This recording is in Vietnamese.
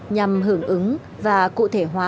nhằm hưởng ứng và cụ thể hóa